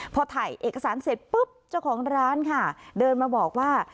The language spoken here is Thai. พอถ่ายเอกสารเสร็จปุ๊บเจ้าของร้านค่ะเดินมาบอกว่า